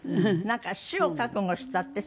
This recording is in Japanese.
なんか死を覚悟したって？